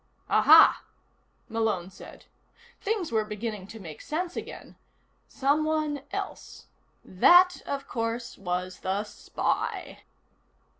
"Aha," Malone said. Things were beginning to make sense again. Someone else. That, of course, was the spy.